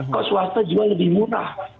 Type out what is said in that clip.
kok swasta jual lebih murah